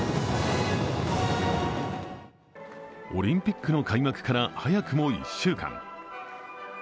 オリンピックの開幕から早くも１週間。